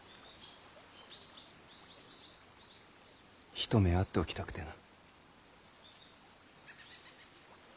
一目会っておきたくてな。